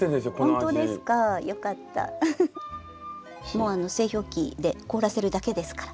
もう製氷機で凍らせるだけですから。